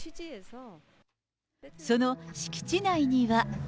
その敷地内には。